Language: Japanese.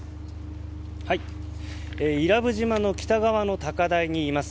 伊良部島の北側の高台にいます。